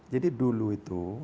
jadi dulu itu